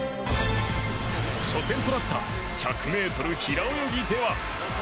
初戦となった１００ｍ平泳ぎでは。